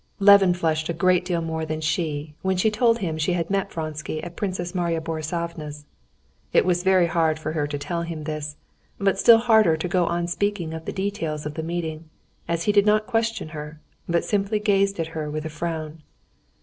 Levin flushed a great deal more than she when she told him she had met Vronsky at Princess Marya Borissovna's. It was very hard for her to tell him this, but still harder to go on speaking of the details of the meeting, as he did not question her, but simply gazed at her with a frown.